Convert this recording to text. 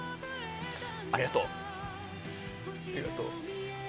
ありがとう。